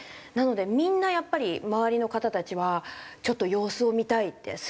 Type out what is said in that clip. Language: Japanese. なのでみんなやっぱり周りの方たちはちょっと様子を見たいって。